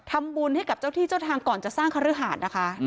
ทำบุญให้กับเจ้าที่เจ้าทางก่อนจะสร้างคฤหาสนะคะ